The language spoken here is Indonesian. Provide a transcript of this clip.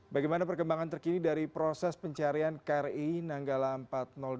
bagaimana perkembangan terkini dari proses pencarian kri nanggala empat ratus dua